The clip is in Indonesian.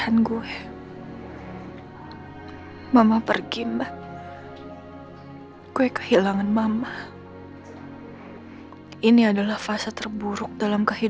apa ke kamarnya lu sebentar yah